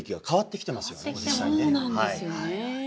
そうなんですよね。